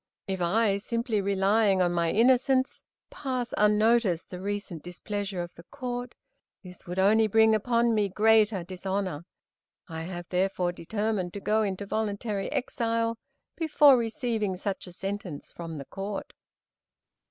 If I, simply relying on my innocence, pass unnoticed the recent displeasure of the Court, this would only bring upon me greater dishonor. I have, therefore, determined to go into voluntary exile, before receiving such a sentence from the Court."